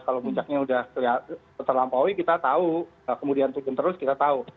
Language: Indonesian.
kalau puncaknya sudah terlampaui kita tahu kemudian turun terus kita tahu